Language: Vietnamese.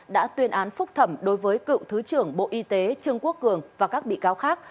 đã tuyên án phúc thẩm đối với cựu thứ trưởng bộ y tế trương quốc cường và các bị cáo khác